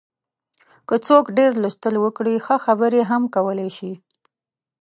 که څوک ډېر لوستل وکړي، ښه خبرې هم کولای شي.